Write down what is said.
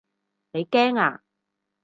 你驚啊？